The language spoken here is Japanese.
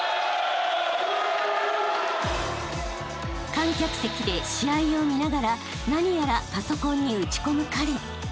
［観客席で試合を見ながら何やらパソコンに打ち込む彼］